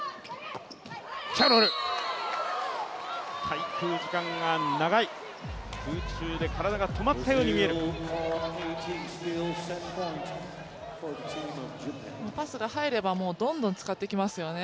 キャロル、滞空時間が長い、空中で体が止まったように見えるパスが入ればどんどん使ってきますよね。